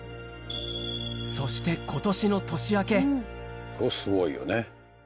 そして今年の年明けこれすごいよね。